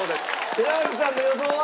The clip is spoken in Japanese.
寺脇さんの予想は？